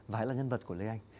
và hãy là nhân vật của lê anh